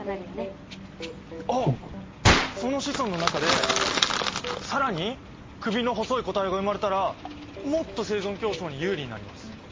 あっその子孫の中で更に首の細い個体が生まれたらもっと生存競争に有利になります。